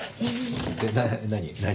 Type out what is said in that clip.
何？